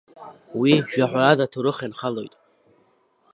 Уи, жәаҳәарада аҭоурых ианхалоит.